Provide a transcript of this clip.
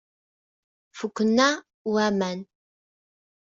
Fukken-aɣ waman.